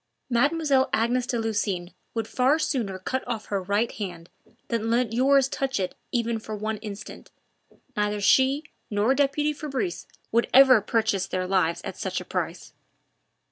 Mademoiselle Agnes de Lucines would far sooner cut off her right hand than let yours touch it even for one instant. Neither she nor deputy Fabrice would ever purchase their lives at such a price."